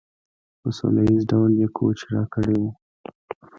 په سوله ایز ډول یې کوچ راکړی وي.